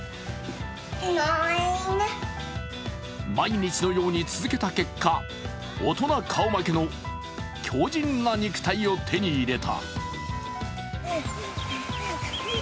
毎日のように続けた結果大人顔負けの強じんな肉体を手に入れた。